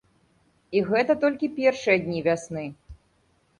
І гэта толькі першыя дні вясны.